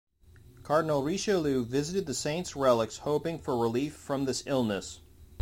Cardinal Richelieu visited the saint's relics hoping for relief from this illness.